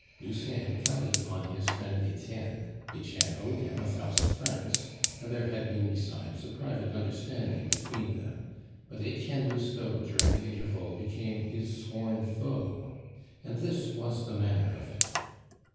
Lucien had counted upon his friend Etienne; Etienne owed him a thousand francs, and there had been besides a private understanding between them; but Etienne Lousteau during the interval became his sworn foe, and this was the manner of it.